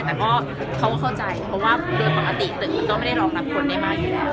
แต่ก็เขาก็เข้าใจเพราะว่าโดยปกติตึกมันก็ไม่ได้รองรับคนได้มากอยู่แล้ว